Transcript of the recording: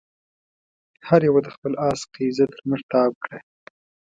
هر يوه د خپل آس قيضه تر مټ تاو کړه.